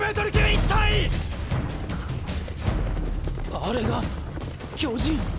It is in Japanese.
あれが巨人！